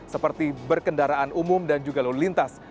seperti berkendaraan umum dan juga lalu lintas